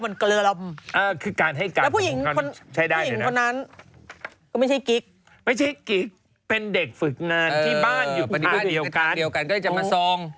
ทางเดียวกันก็เลยจะมาซอง